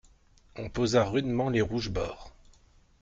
On posa rudement les rouges bords.